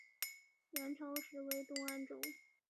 元朝时为东安州。